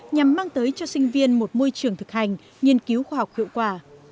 nhằm mang tới cho sinh viên một môi trường thực hành nghiên cứu khoa học hiệu quả